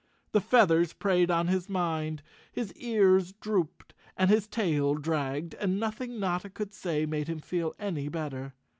The feathers preyed on his mind, his ears drooped and his tail dragged and nothing Notta could say made him feel any better.